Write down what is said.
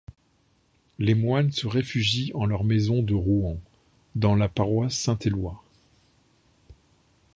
Les moines se réfugient en leur maison de Rouen, dans la paroisse Saint-Éloi.